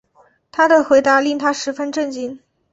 他的回答令她十分震惊